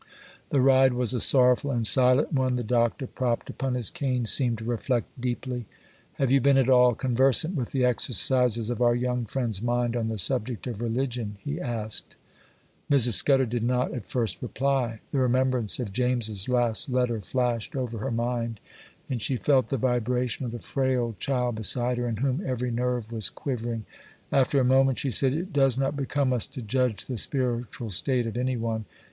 The ride was a sorrowful and silent one. The Doctor, propped upon his cane, seemed to reflect deeply. 'Have you been at all conversant with the exercises of our young friend's mind on the subject of religion?' he asked. Mrs. Scudder did not at first reply. The remembrance of James's last letter flashed over her mind, and she felt the vibration of the frail child beside her, in whom every nerve was quivering. After a moment she said: 'It does not become us to judge the spiritual state of any one.